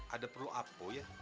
ada perlu apa ya